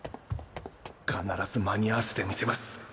必ず間に合わせてみせます。